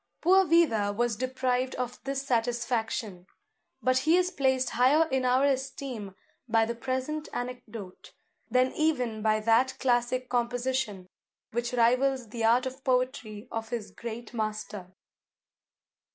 Poor Vida was deprived of this satisfaction; but he is placed higher in our esteem by the present anecdote, than even by that classic composition, which rivals the Art of Poetry of his great master.